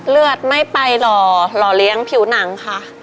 เลือดไม่ไปหล่อหล่อเลี้ยงผิวหนังค่ะ